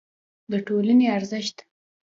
د ټولنې ارزښت